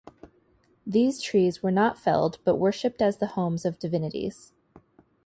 These trees were not felled, but worshiped as the homes of divinities.